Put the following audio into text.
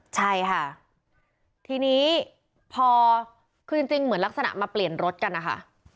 ใช่ค่ะทีนี้พอคือจริงเหมือนลักษณะมาเปลี่ยนรถกันนะคะ